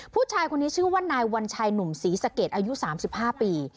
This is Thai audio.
ผู้ชายคนนี้ชื่อว่านายวัญชัยหนุ่มศรีสะเกดอายุ๓๕ปี